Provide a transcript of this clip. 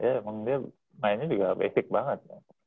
ya emang dia mainnya juga basic banget